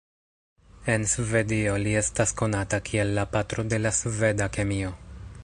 En Svedio li estas konata kiel la patro de la sveda kemio.